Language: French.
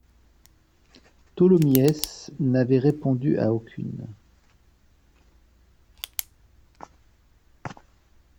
Tholomyès n’avait répondu à aucune.